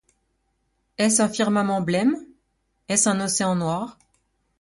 Est-ce un firmament blême ? est-ce un océan noir ?